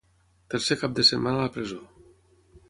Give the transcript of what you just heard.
Tercer cap de setmana a la presó.